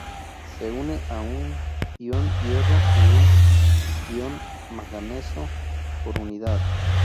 Se une a un ion hierro y un ion manganeso por unidad.